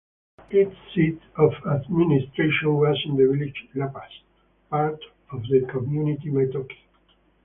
Its seat of administration was in the village Lappas, part of the community Metochi.